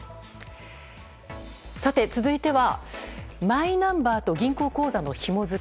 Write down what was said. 続いてはマイナンバーと銀行口座のひも付け。